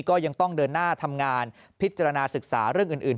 ก็ยังต้องเดินหน้าทำงานพิจารณาศึกษาเรื่องอื่น